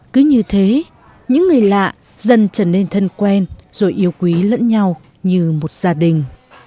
cứ như thế những người lạ dần trở nên thân quen rồi yêu quý lẫn nhau như một gia đình